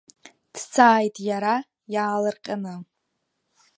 Дҵааит иара иаалырҟьаны.